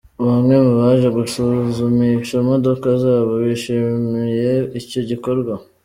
Bamwe mu baje gusuzumisha imodoka zabo bishimiye icyo gikorwa.